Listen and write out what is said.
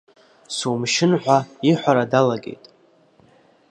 Сумшьын ҳәа иҳәара далагеит.